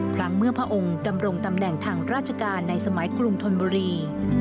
ครั้งเมื่อพระองค์ดำรงตำแหน่งทางราชการในสมัยกรุงธนบุรี